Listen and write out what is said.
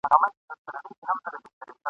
د بچیو له ماتمه ژړېدله ..